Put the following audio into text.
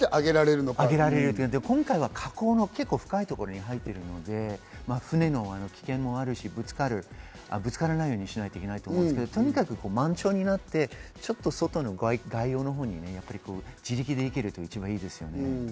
今回は加工の深いところに入っているので、船の危険もあるし、ぶつからないようにしないといけないと思いますが、満潮になって外の外洋のほうに自力で行けると一番いいですよね。